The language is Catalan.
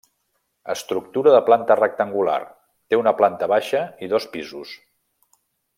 Estructura de planta rectangular, té una planta baixa i dos pisos.